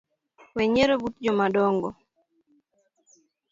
Wenyiero but jomadongo